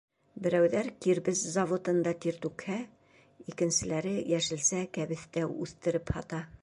Берәүҙәр кирбес заводында тир түкһә, икенселәре йәшелсә, кәбеҫтә үҫтереп һата.